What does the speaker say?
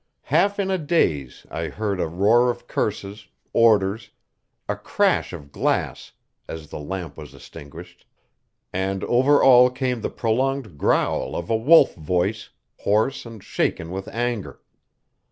Half in a daze I heard a roar of curses, orders, a crash of glass as the lamp was extinguished, and over all came the prolonged growl of a wolf voice, hoarse and shaken with anger.